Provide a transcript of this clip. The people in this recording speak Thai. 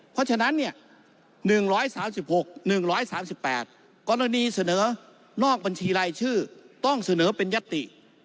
เพราะฉะนั้นเนี่ย๑๓๖๑๓๘กรณีเสนอนอกบัญชีรายชื่อต้องเสนอเป็นยติ